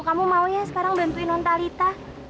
kamu mau ya sekarang bantuin nontalita